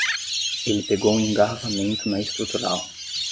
Ele pegou um engarrafamento na estrutural.